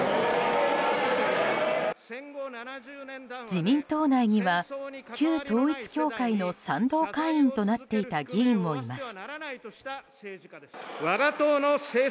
自民党内には旧統一教会の賛同会員となっていた議員もいます。